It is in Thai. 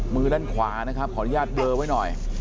มือด้านขวานะครับขออนุญาตเบลอไว้หน่อย